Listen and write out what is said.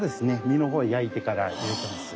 身の方は焼いてから入れてます。